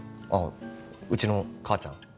ああうちの母ちゃん？